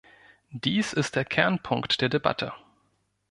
Dies ist der Kernpunkt der Debatte.